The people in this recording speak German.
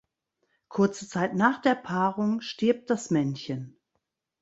Kurze Zeit nach der Paarung stirbt das Männchen.